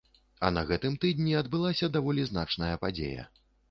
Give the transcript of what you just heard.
На гэтым тыдні адбылася даволі значная падзея.